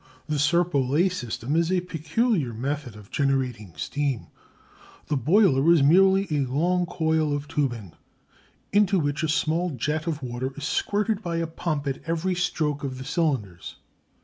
The Serpollet system is a peculiar method of generating steam. The boiler is merely a long coil of tubing, into which a small jet of water is squirted by a pump at every stroke of the cylinders.